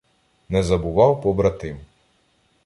Не забував побратим.